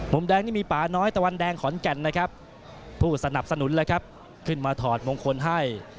แดงนี่มีป่าน้อยตะวันแดงขอนแก่นนะครับผู้สนับสนุนเลยครับขึ้นมาถอดมงคลให้